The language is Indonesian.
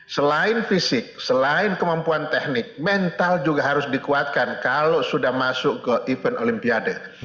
selain fisik selain kemampuan teknik mental juga harus dikuatkan kalau sudah masuk ke event olimpiade